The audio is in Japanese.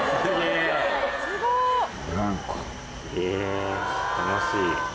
へぇ楽しい。